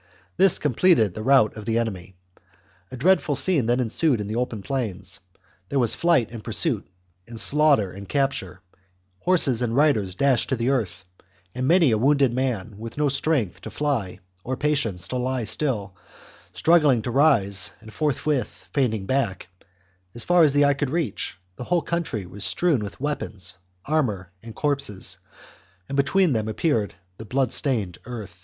This completed the rout of the enemy. A dreadful scene then ensued in the open plains ; there was flight and pursuit, slaughter and capture, horses and riders dashed to earth, and many a wounded man, with no strength to fly or patience to lie still, struggling to rise and forth with fainting back ; as far as the eye could reach, the whole country was strewn with weapons, armour, and corpses, and between them appeared the blood stained earth.